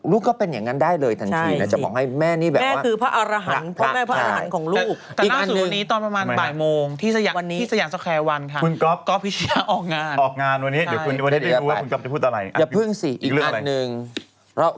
ลูกก็เป็นอย่างนั้นได้เลยทันทีจะบอกให้แม่นี้แบบว่า